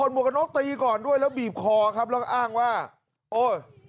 หวกกันน็อกตีก่อนด้วยแล้วบีบคอครับแล้วก็อ้างว่าโอ้ย